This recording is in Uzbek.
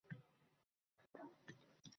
— Ana, qayta qurish sharofati, ana!»